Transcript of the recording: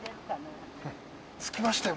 着きましたよ